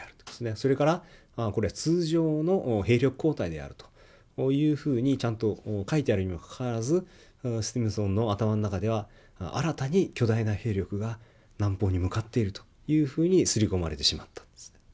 それからこれは通常の兵力交代であるというふうにちゃんと書いてあるにもかかわらずスチムソンの頭の中では新たに巨大な兵力が南方に向かっているというふうに刷り込まれてしまったんですね。